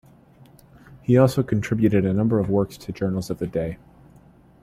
He also contributed a number of works to journals of the day.